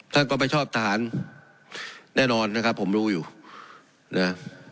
ท่านก็ไม่ชอบทหารแน่นอนนะครับผมรู้อยู่นะ